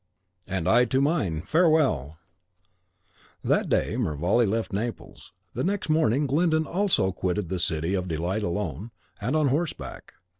"And I to mine. Farewell!" That day Mervale left Naples; the next morning Glyndon also quitted the City of Delight alone, and on horseback.